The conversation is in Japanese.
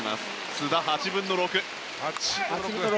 須田、８分の６。